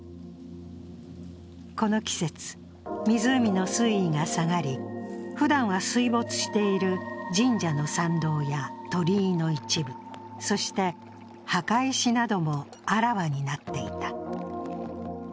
この季節、湖の水位が下がりふだんは水没している神社の参道や鳥居の一部、そして墓石などもあらわになっていた。